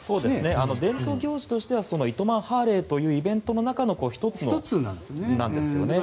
伝統行事としては糸満ハーレーというイベントの中の１つなんですよね。